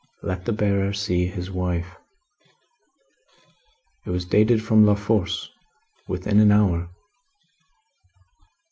Let the bearer see his wife." It was dated from La Force, within an hour.